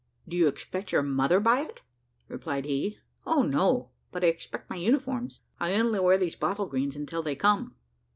"Do you expect your mother by it?" replied he. "O no! but I expect my uniforms I only wear these bottle greens until they come."